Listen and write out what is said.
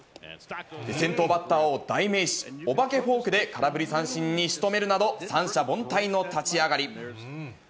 先頭バッターを代名詞、お化けフォークで空振り三振にしとめるなど、三者凡退の立ち上がり。